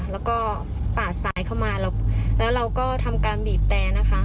แล้วก็ปาดซ้ายเข้ามาแล้วเราก็ทำการบีบแต่นะคะ